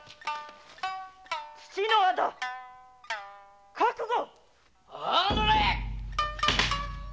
「父の仇覚悟！」